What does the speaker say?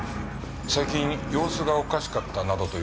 最近様子がおかしかったなどという事は？